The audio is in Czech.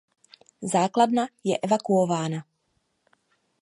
Základna je evakuována.